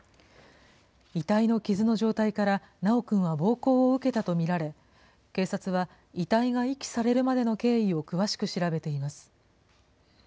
遺体の傷の状態から、修くんは暴行を受けたと見られ、警察は遺体が遺棄されるまでの経緯を詳しく調べています。